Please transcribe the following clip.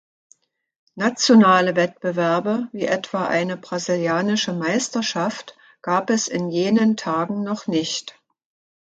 Nationale Wettbewerbe wie etwa eine brasilianische Meisterschaft gab es in jenen Tagen noch nicht.